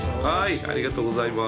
ありがとうございます。